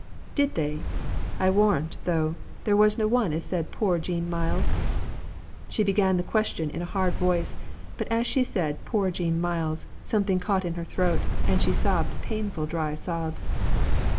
'" "Did they? I warrant, though, there wasna one as said 'Poor Jean Myles'?" She began the question in a hard voice, but as she said "Poor Jean Myles" something caught in her throat, and she sobbed, painful dry sobs.